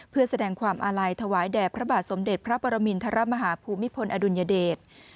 เพื่อแสดงความอาลัยถวายแด่พระบาทสมเด็จพระปรมินทรมาฮาภูมิพลอดุลยเดช